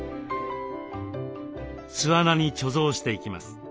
巣穴に貯蔵していきます。